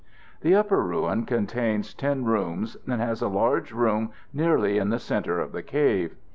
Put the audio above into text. ] The upper ruin contains 10 rooms and has a large room nearly in the center of the cave.